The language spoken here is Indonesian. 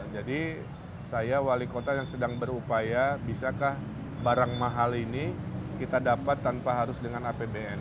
jadi saya wali kota yang sedang berupaya bisakah barang mahal ini kita dapat tanpa harus dengan apbn